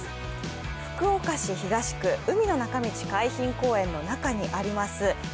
福岡市東区・海の中道海浜公園の中にあります。